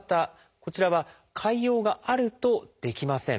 こちらは潰瘍があるとできません。